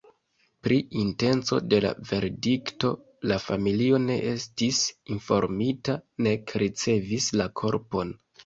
Pri intenco de la verdikto la familio ne estis informita, nek ricevis la korpon.